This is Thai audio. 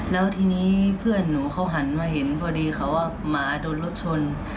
แล้วทีนี้เพื่อนหนูเขาหันมาเห็นพอดีเขาว่าหมาโดนรถชน